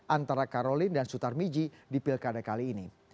antara karolin dan sutar miji di pilkada kali ini